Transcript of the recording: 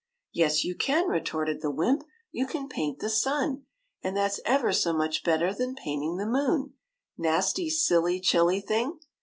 " Yes, you can," retorted the wymp, " you can paint the sun, and that 's ever so much better than painting the moon — nasty, silly, chilly thing